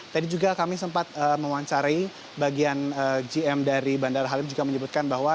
tadi juga kami sempat mewawancari bagian gm dari bandara halim juga menyebutkan bahwa